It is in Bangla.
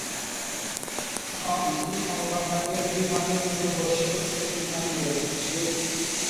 সমরানায়েকেকে দুই মাসের জন্য বহিষ্কার করেছে শ্রীলঙ্কা ক্রিকেট, বিশ্বজিৎ নিষিদ্ধ আজীবন।